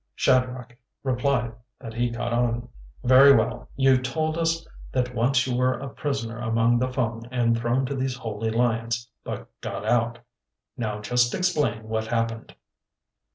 Shadrach replied that he caught on. "Very well. You've told us that once you were a prisoner among the Fung and thrown to these holy lions, but got out. Now just explain what happened."